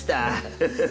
ハハハハ。